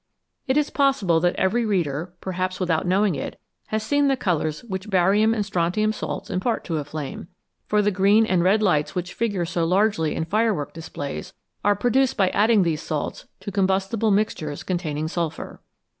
It is probable that every reader, perhaps without knowing it, has seen the colours which barium and strontium salts impart to a flame, for the green and red lights which figure so largely in firework displays are produced by adding these salts to combustible mixtures containing sulphur.